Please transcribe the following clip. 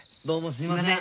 すいません。